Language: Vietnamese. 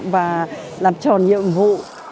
và làm tròn nhiệm vụ